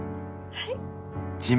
はい。